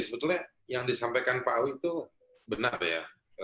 sebetulnya yang disampaikan pak awi itu benar ya